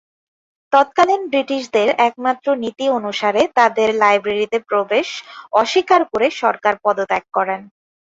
তৎকালীন ব্রিটিশদের একমাত্র নীতি অনুসারে তাদের লাইব্রেরিতে প্রবেশ অস্বীকার করে সরকার পদত্যাগ করে।